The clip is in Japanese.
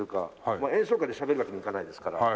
演奏会でしゃべるわけにいかないですから。